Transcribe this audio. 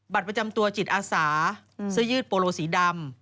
ประจำตัวจิตอาสาเสื้อยืดโปโลสีดำ